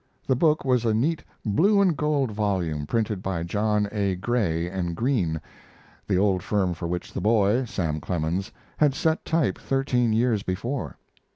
The book was a neat blue and gold volume printed by John A. Gray & Green, the old firm for which the boy, Sam Clemens, had set type thirteen years before.